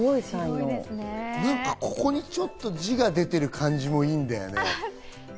ここにちょっと字が出てる感じもなんかいいんだよね。